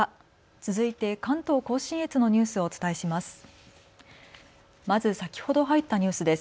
続いて関東甲信越のニュースをお伝えします。